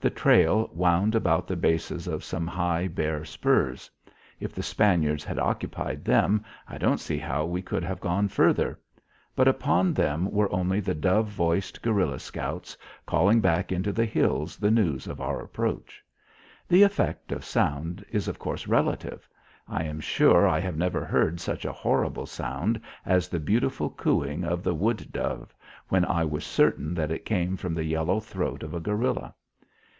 The trail wound about the bases of some high bare spurs. If the Spaniards had occupied them I don't see how we could have gone further. But upon them were only the dove voiced guerilla scouts calling back into the hills the news of our approach. The effect of sound is of course relative. I am sure I have never heard such a horrible sound as the beautiful cooing of the wood dove when I was certain that it came from the yellow throat of a guerilla.